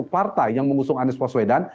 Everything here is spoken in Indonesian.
satu partai yang mengusung anies waswedan